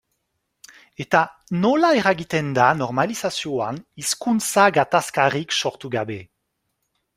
Eta nola eragiten da normalizazioan hizkuntza gatazkarik sortu gabe?